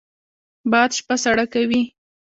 باد شپه سړه کوي